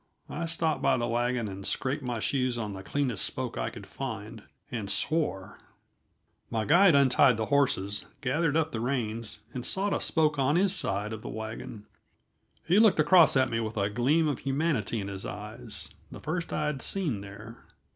I stopped by the wagon and scraped my shoes on the cleanest spoke I could find, and swore. My guide untied the horses, gathered up the reins, and sought a spoke on his side of the wagon; he looked across at me with a gleam of humanity in his eyes the first I had seen there.